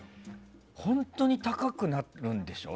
本当に高くなるんでしょ？